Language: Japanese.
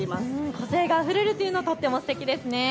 個性があふれるというのはとってもすてきですね。